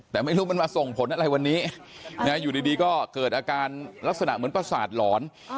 แต่ไม่รู้มันมาส่งผลอะไรวันนี้อยู่ดีก็เกิดอาการลักษณะเหมือนประสาทหลอน